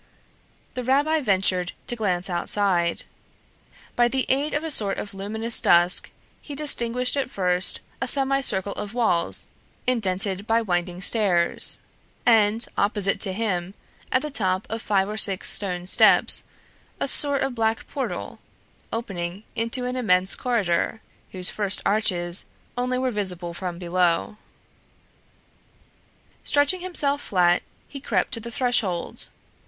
The rabbi ventured to glance outside. By the aid of a sort of luminous dusk he distinguished at first a semicircle of walls indented by winding stairs; and opposite to him, at the top of five or six stone steps, a sort of black portal, opening into an immense corridor, whose first arches only were visible from below. Stretching himself flat he crept to the threshold.